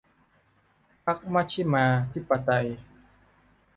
พรรคมัชฌิมาธิปไตย